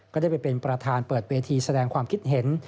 ก็ได้ไปเป็นประธานเปิดเวทีแสดงความคิดเห็น